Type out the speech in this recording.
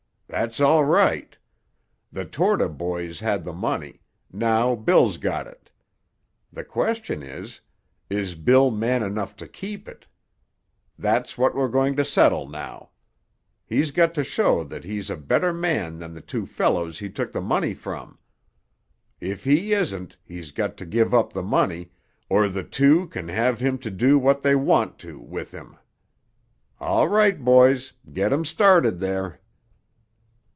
That's all right. The Torta boys had the money; now Bill's got it. The question is: Is Bill man enough to keep it? That's what we're going to settle now. He's got to show that he's a better man than the two fellows he took the money from. If he isn't, he's got to give up the money, or the two can have him to do what they want to with him. All right, boys; get 'em started there."